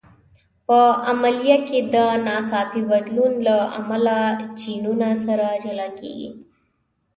په عملیه کې د ناڅاپي بدلون له امله جینونه سره جلا کېږي.